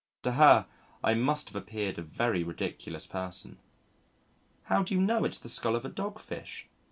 To her I must have appeared a very ridiculous person. "How do you know it's the skull of a dog fish?"